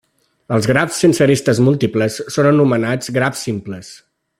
Els grafs sense arestes múltiples són anomenats grafs simples.